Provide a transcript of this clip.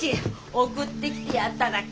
送ってきてやっただけ。